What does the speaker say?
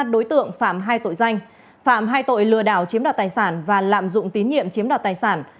ba đối tượng phạm hai tội danh phạm hai tội lừa đảo chiếm đoạt tài sản và lạm dụng tín nhiệm chiếm đoạt tài sản